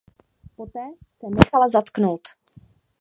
Poté se nechala zatknout.